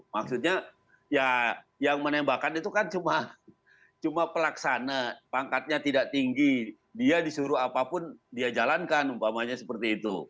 maksudnya ya yang menembakkan itu kan cuma pelaksana pangkatnya tidak tinggi dia disuruh apapun dia jalankan umpamanya seperti itu